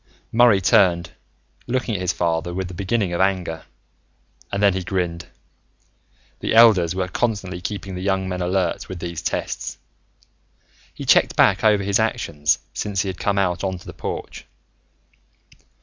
Murray turned, looking at his father with the beginning of anger, and then he grinned. The elders were constantly keeping the young men alert with these tests. He checked back over his actions since he had come out onto the porch.